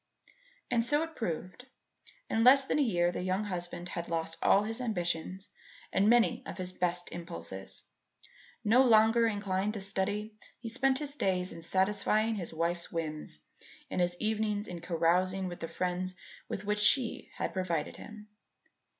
And so it proved. In less than a year the young husband had lost all his ambitions and many of his best impulses. No longer inclined to study, he spent his days in satisfying his wife's whims and his evenings in carousing with the friends with which she had provided him.